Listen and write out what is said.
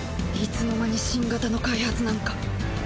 いつの間に新型の開発なんか。